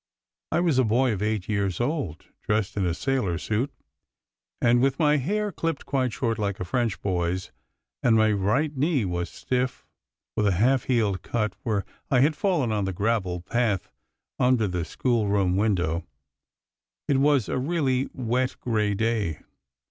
I was a boy of eight years old, dressed in a sailor suit, and with my hair clipped quite short like a French boy's, and my right knee was stiff with a half healed cut where I had fallen on the gravel path under the schoolroom window. It was a really wet, grey day.